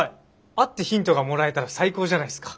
会ってヒントがもらえたら最高じゃないすか？